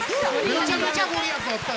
めちゃめちゃ御利益あったよ。